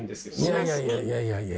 いやいやいやいや。